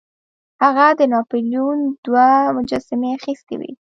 هغه د ناپلیون دوه مجسمې اخیستې وې.